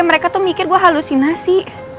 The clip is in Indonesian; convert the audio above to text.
mereka tuh mikir gue halusinasi